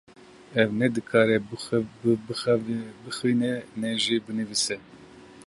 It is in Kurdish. Ew ne dikare bixwîne ne jî binivîse.